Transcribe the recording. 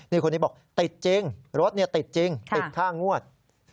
นี่คนนี้บอกติดจริงรถติดจริงติดค่างวด